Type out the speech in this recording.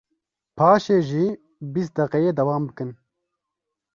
paşê jî bîst deqeyê dewam bikin.